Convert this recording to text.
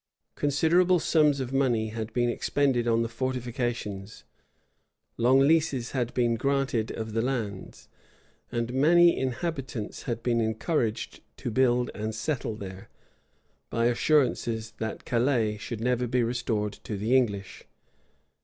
Considerable sums of money had been expended on the fortifications; long leases had been granted of the lands; and many inhabitants had been encouraged to build and settle there, by assurances that Calais should never be restored to the English.